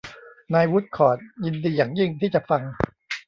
นายวูดคอร์ทยินดีอย่างยิ่งที่จะฟัง